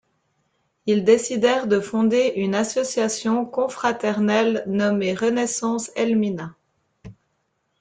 Ils décidèrent de fonder une association confraternelle nommée Renaissance Elmina.